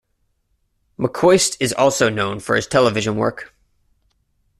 McCoist is also known for his television work.